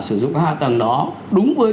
sử dụng cái hạ tầng đó đúng với